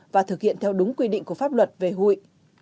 và thực hiện theo đúng quy định của pháp luật về hụi